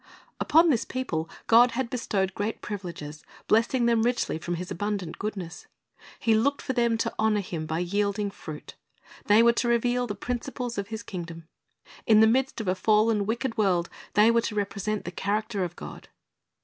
"^ Upon this people God had bestowed great privileges, blessing them richly from His abundant goodness. He looked for them to honor Him by yielding fruit. They were to reveal the principles of His kingdom. In the midst of a fallen, wicked world they were to represent the character of God.